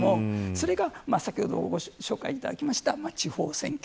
それが先ほどご紹介いただきました地方選挙。